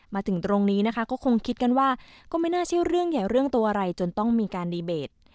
มาถึงตรงนี้นะคะก็คงคิดกันว่าก็ไม่น่าเชื่อเรื่องใหญ่เรื่องตัวอะไรจนต้องมีการดีเบต